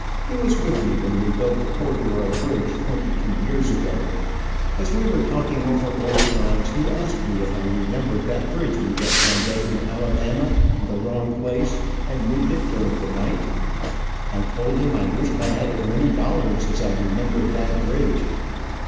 He was with me when we built the corduroy bridge twenty two years ago. As we were talking over old times he asked me if I remembered that bridge we built one day in Alabama, in the wrong place, and moved it during the night. I told him I wished I had as many dollars as I remembered that bridge.